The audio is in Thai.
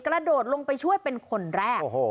กระโดดลงไปช่วยเป็นคนแรก